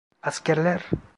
Askerler!